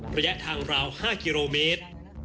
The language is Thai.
ระยะทางราว๕กิโลเมตร